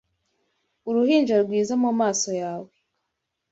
Uruhinja rwiza mumaso yawe